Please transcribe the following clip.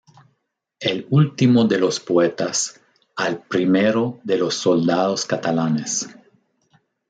El último de los poetas, al primero de los soldados catalanes".